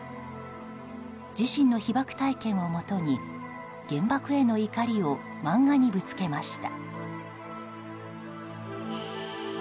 自身の被爆体験をもとに原爆への怒りを漫画にぶつけました。